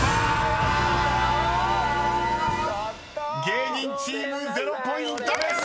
［芸人チーム０ポイントです］